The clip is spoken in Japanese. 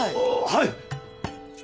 はい！